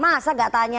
masa enggak tanya